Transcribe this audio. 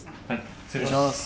失礼します。